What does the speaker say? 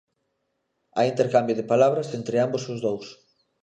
Hai intercambio de palabras entre ambos os dous.